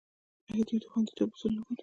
آیا دوی د خوندیتوب اصول نه ګوري؟